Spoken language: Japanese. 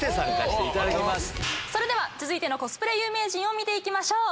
それでは続いてのコスプレ有名人見て行きましょう。